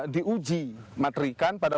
diuji matrikan pada